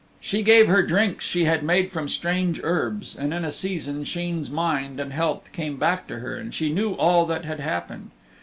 She gave her drinks she had made from strange herbs, and in a season Sheen's mind and health came back to her, and she knew all that had happened.